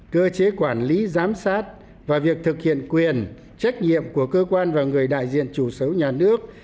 cơ chế quản lý giám sát và việc thực hiện quyền trách nhiệm của cơ quan và người đại diện chủ sở nhà nước